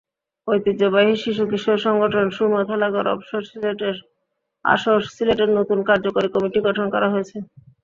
ঐতিহ্যবাহী শিশু-কিশোর সংগঠন সুরমা খেলাঘর আসর সিলেটের নতুন কার্যকরী কমিটি গঠন করা হয়েছে।